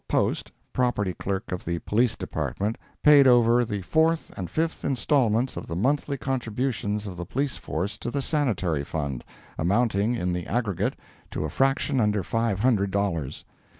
Post, Property Clerk of the Police Department, paid over the fourth and fifth instalments of the monthly contributions of the Police force to the Sanitary Fund, amounting, in the aggregate, to a fraction under five hundred dollars.